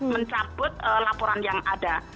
mencabut laporan yang ada